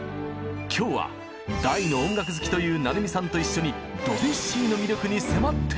今日は大の音楽好きという成海さんと一緒にドビュッシーの魅力に迫っていきます！